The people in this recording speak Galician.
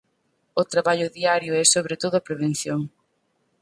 O traballo diario é sobre todo a prevención.